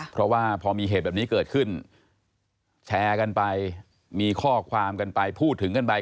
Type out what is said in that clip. เพราะว่าพอมีเหตุแบบนี้เกิดขึ้นแชร์กันไปมีข้อความกันไปพูดถึงกันไป